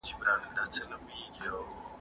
هغه بل ژوندې پاته زوج څه سی وړلای سي؟